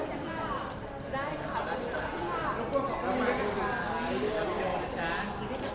บางจิตก็ไม่ใช่นี่ว่าขอต้องการข้าม้างคุณล่ะครับ